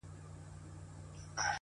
هره ناکامي د نوي پیل پیغام دی,